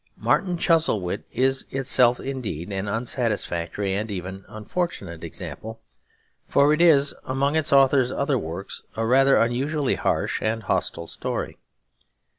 Martin Chuzzlewit is itself indeed an unsatisfactory and even unfortunate example; for it is, among its author's other works, a rather unusually harsh and hostile story.